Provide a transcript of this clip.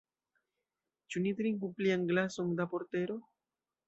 Ĉu ni trinku plian glason da portero?